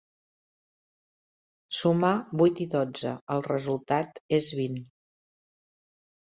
Sumar vuit i dotze: el resultat és vint.